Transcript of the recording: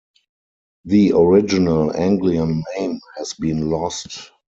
The original Anglian name has been lost.